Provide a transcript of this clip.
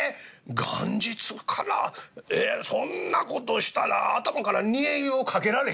元日からえっそんな事したら頭から煮え湯をかけられしまへんか？」。